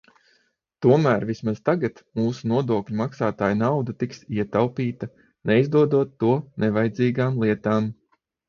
Tomēr vismaz tagad mūsu nodokļu maksātāju nauda tiks ietaupīta, neizdodot to nevajadzīgām lietām.